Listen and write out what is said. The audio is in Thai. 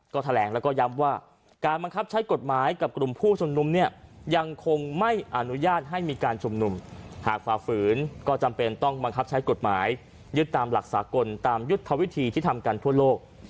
ก็แถลงแล้วก็ย้ำว่าการบังคับใช้กฎหมายกับกลุ่มผู้ชุมนุมเนี่ยยังคงไม่อนุญาตให้มีการชุมนุมหากฝ่าฝืนก็จำเป็นต้องบังคับใช้กฎหมายยึดตามหลักสากลตามยุทธวิธีที่ทำกันทั่วโลก